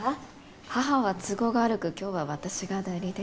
義母は都合が悪く今日は私が代理で。